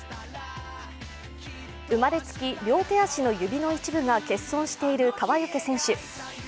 生まれつき両手足の指の一部が欠損している河除選手。